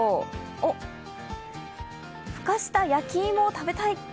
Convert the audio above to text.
おっ、ふかした焼き芋を食べたい？